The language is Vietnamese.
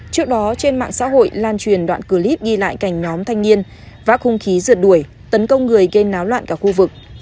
trước đó trên mạng xã hội lan truyền đoạn clip ghi lại cảnh nhóm thanh niên vá hung khí rượt đuổi tấn công người gây náo loạn cả khu vực